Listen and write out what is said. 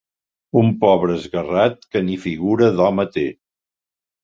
Un pobre esguerrat que ni figura d'home té.